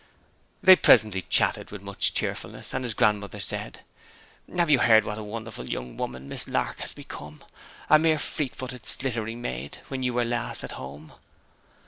They presently chatted with much cheerfulness, and his grandmother said, 'Have you heard what a wonderful young woman Miss Lark has become? a mere fleet footed, slittering maid when you were last home.'